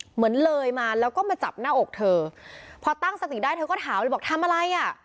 เหมือนเลยมาแล้วก็มาจับหน้าอกเธอพอตั้งสติได้เธอก็ถามเลยบอกทำอะไรอ่ะ